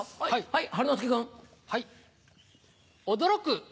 はい。